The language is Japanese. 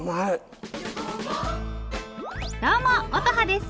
どうも乙葉です！